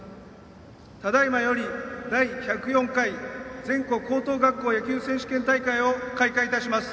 ただいまより、第１０４回全国高等学校野球選手権大会を開会いたします。